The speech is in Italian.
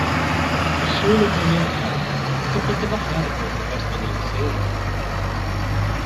Solo come un cane, che poteva fare per il resto della sera?